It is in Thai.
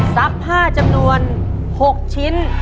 ซับ๕จำนวน๖ชิ้น